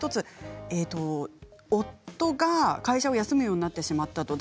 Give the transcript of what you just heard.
夫が会社を休むようになってしまった。